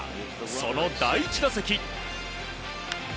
その第１打席。